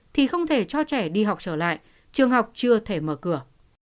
thì không thể cho trẻ đi học trở lại trường học chưa thể mở cửa